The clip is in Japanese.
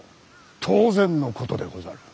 当然のことでござる。